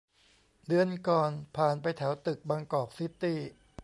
เดือนก่อน ผ่านไปแถวตึกบางกอกซิตี้